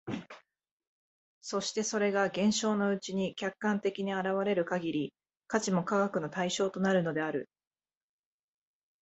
そしてそれが現象のうちに客観的に現れる限り、価値も科学の対象となるのである。